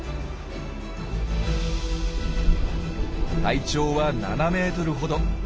体長は７ｍほど。